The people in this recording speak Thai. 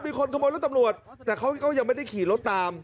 มีคนขโมยรถตำรวจแต่เขาก็ยังไม่ได้ขี่รถตาม